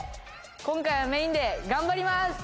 今回はメインで頑張ります！